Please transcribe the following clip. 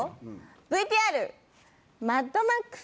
ＶＴＲマッドマックス。